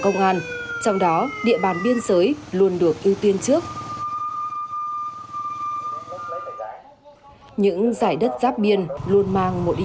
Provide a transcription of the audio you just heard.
công an trong đó địa bàn biên giới luôn được ưu tiên trước những giải đất giáp biên luôn mang một ý